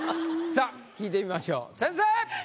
さぁ聞いてみましょう先生！